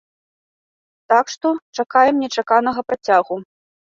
Так што, чакаем нечаканага працягу.